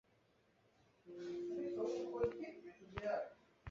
该建筑可做为台南市日治砖造建筑的代表。